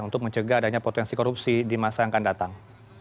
untuk mencegah adanya potensi korupsi di masa yang akan datang